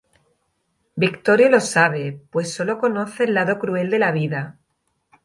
Victorio lo sabe, pues solo conoce el lado cruel de la vida.